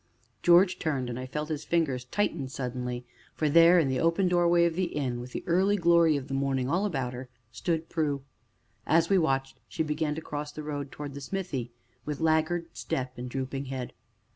George turned, and I felt his fingers tighten suddenly, for there, at the open doorway of the inn, with the early glory of the morning all about her, stood Prue. As we watched, she began to cross the road towards the smithy, with laggard step and drooping head.